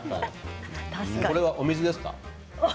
これはお水ですか？